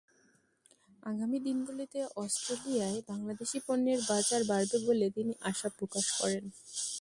আগামী দিনগুলোতে অস্ট্রেলিয়ায় বাংলাদেশি পণ্যের বাজার বাড়বে বলে তিনি আশা প্রকাশ করেন।